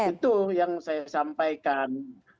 itu yang saya sampaikan